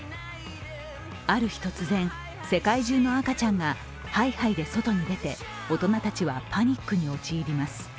ある日突然、世界中の赤ちゃんがハイハイで外に出て、大人たちはパニックに陥ります。